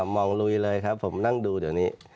มองลุยเลยครับผมนั่งดูเดี๋ยวนี้